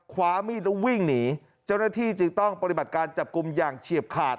คว้ามีดแล้ววิ่งหนีเจ้าหน้าที่จึงต้องปฏิบัติการจับกลุ่มอย่างเฉียบขาด